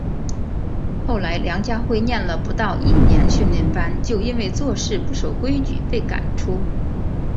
后来梁家辉念了不到一年训练班就因为做事不守规矩被赶出。